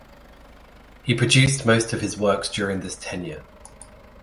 He produced most of his works during this tenure.